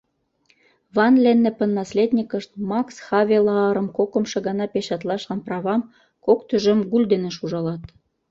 Ван-Леннепын наследникышт “Макс Хавелаарым” кокымшо гана печатлашлан правам кок тӱжем гульденеш ужалат.